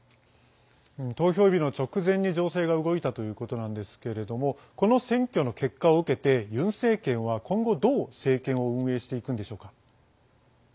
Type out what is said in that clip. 投票日の直前に情勢が動いたということなんですけれどもこの選挙の結果を受けてユン政権は今後どう政権を運営していくんでしょうか。